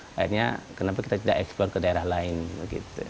akhirnya kenapa kita tidak ekspor ke daerah lain begitu